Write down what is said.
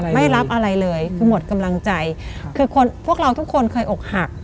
ไม่รับอะไรเลยคือหมดกำลังใจคือคนพวกเราทุกคนเคยอกหัก